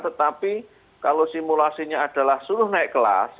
tetapi kalau simulasinya adalah suruh naik kelas